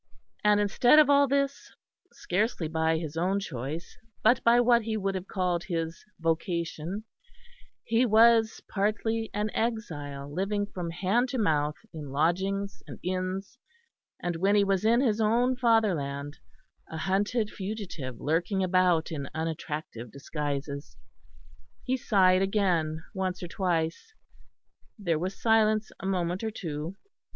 And instead of all this, scarcely by his own choice but by what he would have called his vocation, he was partly an exile living from hand to mouth in lodgings and inns, and when he was in his own fatherland, a hunted fugitive lurking about in unattractive disguises. He sighed again once or twice. There was silence a moment or two.